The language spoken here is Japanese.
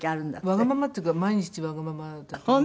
わがままっていうか毎日わがままだと思います。